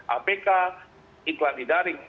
apk iklan didaring